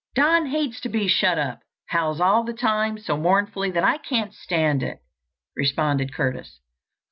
"Don hates to be shut up, howls all the time so mournfully that I can't stand it," responded Curtis.